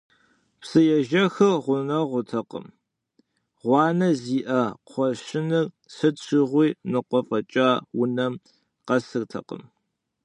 Псыежэхыр гъунэгъутэкъыми, гъуанэ зиӀэ кхъуэщыныр сыт щыгъуи ныкъуэу фӀэкӀа унэм къэсыртэкъым.